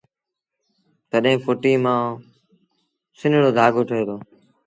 تڏهيݩ ڦئٽيٚ مآݩ سنڙو ڌآڳو ٺهي دو